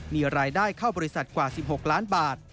มีรายได้เข้าบริษัทกว่า๑๖ล้านบาท